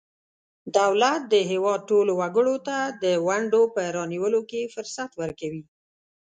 دولت د هیواد ټولو وګړو ته د ونډو په رانیولو کې فرصت ورکوي.